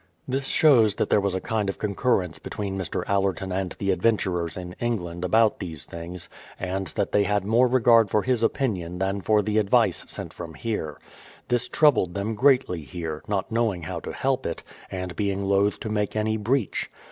This shows that there was a kind of concurrence between Mr. Allerton and the adventurers in England about these things, and that they had more regard for his opinion than for the advice sent from here. This troubled them greatly here, not knowing how to help it, and being loth to make any breach.